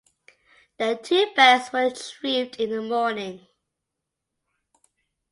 The two bells were retrieved in the morning.